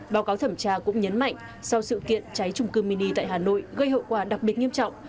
báo cáo thẩm tra cũng nhấn mạnh sau sự kiện cháy trung cư mini tại hà nội gây hậu quả đặc biệt nghiêm trọng